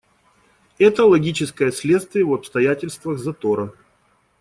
Это логическое следствие в обстоятельствах затора.